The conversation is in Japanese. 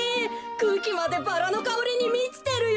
くうきまでバラのかおりにみちてるよ。